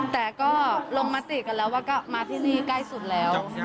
แต่ก็ลงมติกันแล้วว่าก็มาที่นี่ใกล้สุดแล้ว